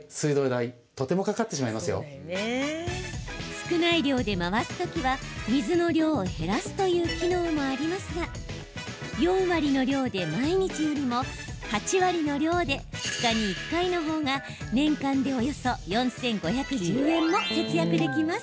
少ない量で回す時は、水の量を減らすという機能もありますが４割の量で毎日よりも８割の量で２日に１回の方が年間で、およそ４５１０円も節約できます。